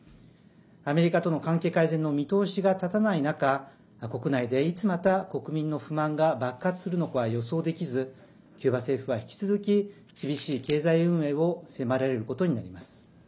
アメリカとの関係改善の見通しが立たない中国内で、いつまた国民の不満が爆発するのかは予想できずキューバ政府は引き続き厳しい経済運営を迫られることになります。